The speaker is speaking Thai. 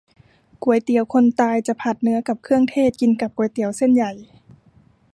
ก๋วยเตี๋ยวคนตาย จะผัดเนื้อกับเครื่องเทศ กินกับก๋วยเตี๋ยวเส้นใหญ่